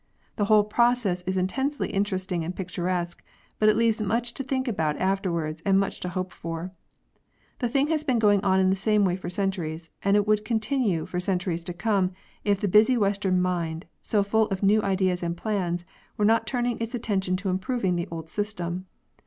The whole process is intensely interesting and picturesque, but it leaves much to think about afterwards and much to hope for. The thing has been going on in the same way for centuries, and it would continue for centuries to come if the busy Western mind, so full of new ideas and plans, were not turning its attention to improving the old system.